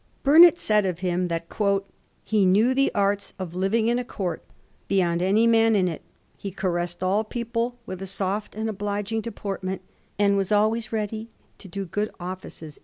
Burnet said of him that ^ he knew the arts of living in a Court beyond any man in it; he caressed all people with a soft and obliging deportment, and was always ready to do good offices.'